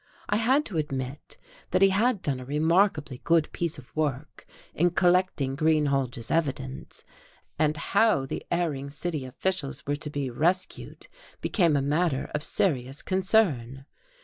I had to admit that he had done a remarkably good piece of work in collecting Greenhalge's evidence, and how the erring city officials were to be rescued became a matter of serious concern.